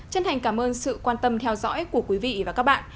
chân thành cảm ơn sự quan tâm theo dõi của quý vị và các bạn